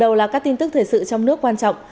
đầu là các tin tức thời sự trong nước quan trọng